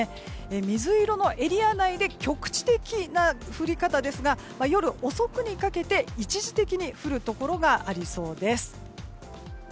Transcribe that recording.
水色のエリア内で局地的な降り方ですが夜遅くにかけて、一時的に降るところがありそうです。